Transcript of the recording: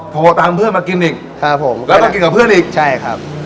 โปรตามเพื่อนมากินอีกแล้วก็กินกับเพื่อนอีกใช่ครับครับ